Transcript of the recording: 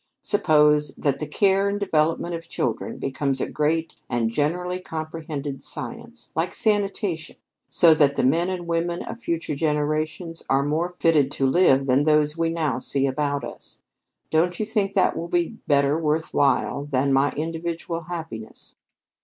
Suppose that the care and development of children becomes a great and generally comprehended science, like sanitation, so that the men and women of future generations are more fitted to live than those we now see about us. Don't you think that will be better worth while than my individual happiness?